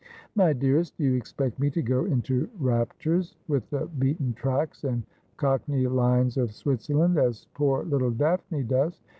' My dearest, do you expect me to go into raptures with the beaten tracks and cockney lions of Switzerland, as poor little Daphne does